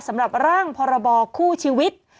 สำหรับร่างพรบคู่ชีวิต